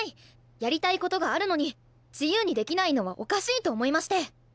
やりたいことがあるのに自由にできないのはおかしいと思いまして。